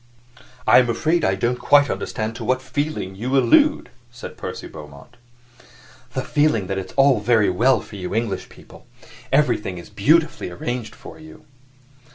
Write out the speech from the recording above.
"I am afraid I don't quite understand to what feeling you allude," said Percy Beaumont. "The feeling that it's all very well for you English people. Everything is beautifully arranged for you."